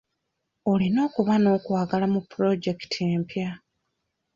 Olina okuba n'okwagala mu pulojekiti empya.